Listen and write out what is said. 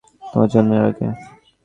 তোমার জন্মের আগে।